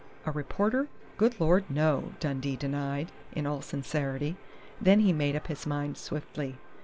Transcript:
"A reporter? Good Lord, no!" Dundee denied, in all sincerity. Then he made up his mind swiftly.